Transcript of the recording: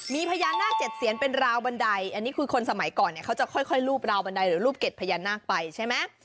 มีพญานาค๗เสียนเป็นราวบันไดอันนี้คือคนสมัยก่อนเนี่ยเขาจะค่อยรูปราวบันไดหรือรูปเด็ดพญานาคไปใช่ไหม